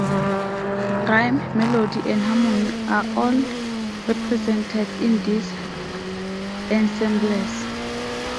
Rhythm, melody, and harmony are all represented in these ensembles.